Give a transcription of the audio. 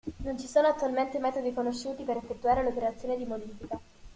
Non ci sono attualmente metodi conosciuti per effettuare l'operazione di modifica.